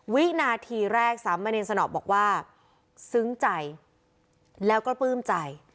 วินาทีแรกสามเณรสนอบอกว่าซึ้งใจแล้วก็ปลื้มใจ